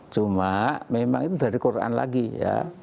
cuma memang itu dari quran lagi ya